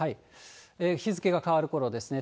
日付が変わるころですね。